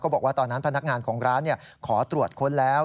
บอกว่าตอนนั้นพนักงานของร้านขอตรวจค้นแล้ว